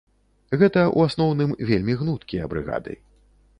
Гэта, у асноўным, вельмі гнуткія брыгады.